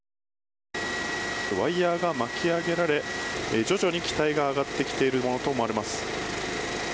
ワイヤが巻き上げられ徐々に機体が上がってきているものと思われます。